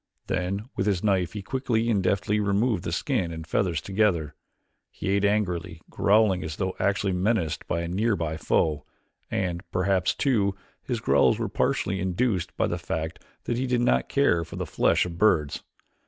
Then with his knife he quickly and deftly removed the skin and feathers together. He ate angrily, growling as though actually menaced by a near by foe, and perhaps, too, his growls were partially induced by the fact that he did not care for the flesh of birds.